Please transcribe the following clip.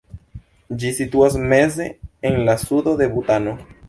Ĝi situas meze en la sudo de Butano.